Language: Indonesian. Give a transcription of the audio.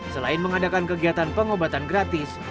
selain mengadakan kegiatan pengobatan gratis